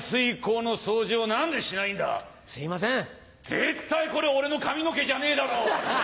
絶対これ俺の髪の毛じゃねえだろ！